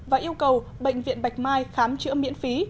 và yêu cầu bệnh viện bạch mai khám chữa miễn phí